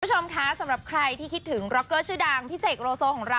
คุณผู้ชมคะสำหรับใครที่คิดถึงร็อกเกอร์ชื่อดังพี่เสกโลโซของเรา